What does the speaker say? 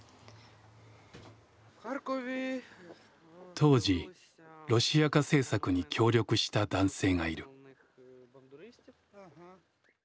当時「ロシア化政策」に協力した男性がいる。